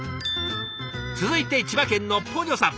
続いて千葉県のポニョさん。